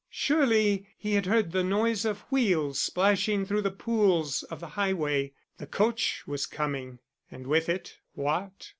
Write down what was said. Surely he had heard the noise of wheels splashing through the pools of the highway. The coach was coming! and with it what?